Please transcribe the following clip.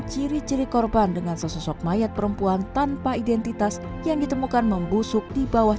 ciri ciri korban dengan sesosok mayat perempuan tanpa identitas yang ditemukan membusuk di bawah